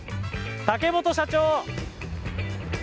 竹本社長！